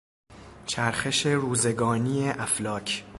چرخش روزگانی افلاک